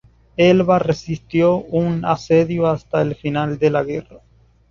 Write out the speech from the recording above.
Elvas resistió un asedio hasta el final de la guerra.